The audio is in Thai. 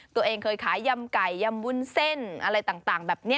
ตัวเองเคยขายยำไก่ยำวุ้นเส้นอะไรต่างแบบนี้